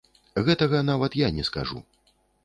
Гэтага нават я не скажу.